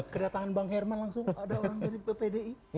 kedatangan bang herman langsung ada orang dari ppdi